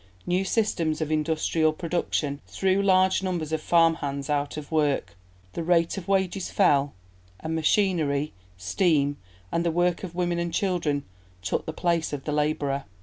New systems of industrial production threw large numbers of farm hands out of work, the rate of wages fell, and machinery, steam, and the work of women and children took the place of the labourer.